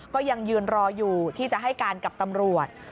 ก็ยังยืนรออยู่ที่จะให้การกับตำรวจ